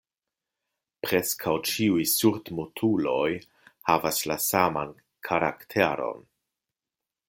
Preskaŭ ĉiuj surdmutuloj havas la saman karakteron.